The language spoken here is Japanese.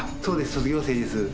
卒業生です。